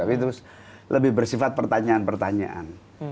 tapi itu lebih bersifat pertanyaan pertanyaan